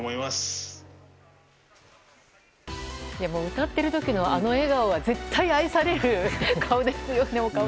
歌っている時のあの笑顔は絶対愛されるお顔ですよね。